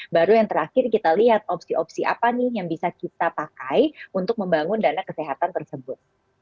baru yang terakhir kita lihat opsi opsi apa nih yang bisa kita pakai untuk membangun dana kesehatan tersebut